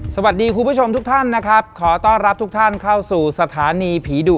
คุณผู้ชมทุกท่านนะครับขอต้อนรับทุกท่านเข้าสู่สถานีผีดุ